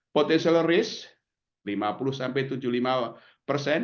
potential risk lima puluh sampai tujuh puluh